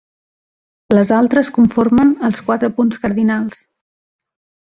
Les altres conformen els quatre punts cardinals.